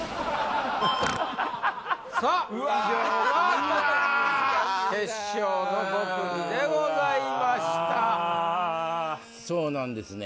さっ以上がうわあ決勝の５組でございましたそうなんですね